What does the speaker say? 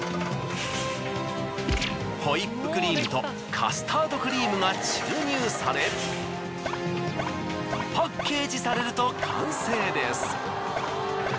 ホイップクリームとカスタードクリームが注入されパッケージされると完成です。